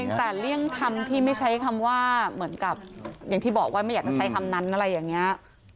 แต่เลี่ยงคำที่ไม่ใช้คำว่าเหมือนกับอย่างที่บอกว่าไม่อยากจะใช้คำนั้นอะไรอย่างนี้